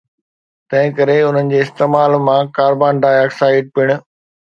تنهنڪري انهن جي استعمال مان ڪاربان ڊاءِ آڪسائيڊ پڻ